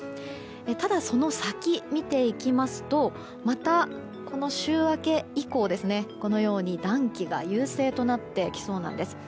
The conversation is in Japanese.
ただ、その先見ていきますとまたこの週明け以降暖気が優勢となってきそうです。